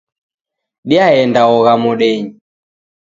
Diaenda ogha modenyi